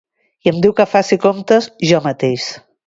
I em diu que faci comptes jo mateix.